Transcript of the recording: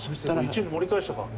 １が盛り返したか。